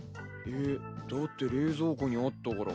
えっだって冷蔵庫にあったから。